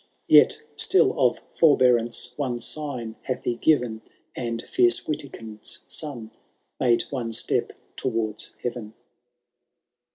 Yet still of forbearance one sign hath he given. And fierce Witikind^ son made one step towards heaven.